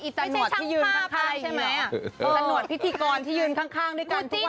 จานวัดที่ยืนข้างที่ยืนข้างใครใช่ไหม